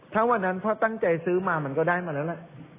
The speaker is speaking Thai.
ถ้าวันนั้นพ่อตั้งใจซื้อมามันก็ได้มาแล้วแหละ